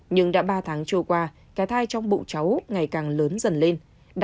nhưng đã ba tháng trôi qua cái thai trong bụng cháu ngày càng lớn dần lên